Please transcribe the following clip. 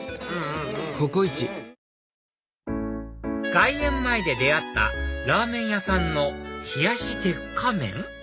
外苑前で出会ったラーメン屋さんの冷し鉄火麺？